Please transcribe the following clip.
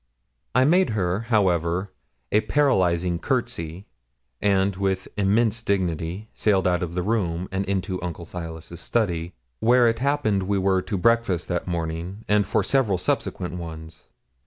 I made her, however, a paralysing courtesy, and, with immense dignity, sailed out of the room, and into Uncle Silas's study, where it happened we were to breakfast that morning, and for several subsequent ones.